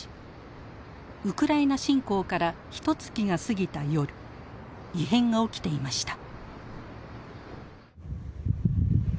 ウクライナ侵攻からひとつきが過ぎた夜異変が起きていました。